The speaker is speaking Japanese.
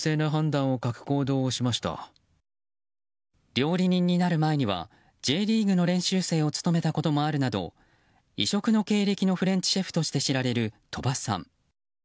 料理人になる前にはＪリーグの練習生を務めたこともあるなど異色の経歴のフレンチシェフとして知られる鳥羽さん。